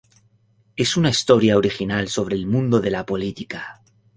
Es una historia original sobre el mundo de la política.